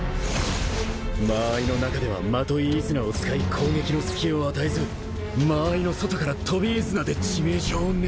間合いの中では纏飯綱を使い攻撃の隙を与えず間合いの外から飛飯綱で致命傷を狙う